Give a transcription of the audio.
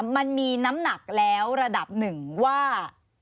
มันมีน้ำหนักแล้วระดับหนึ่งว่า